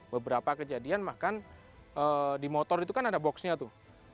beberapa kejadian bahkan di motor itu kan ada boxnya tuh